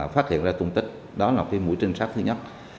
phát hiện ra tung tích đó là cái mũi trinh sát thứ nhất